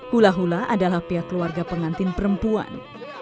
hula hula adalah pihak keluarga pengantin perempuan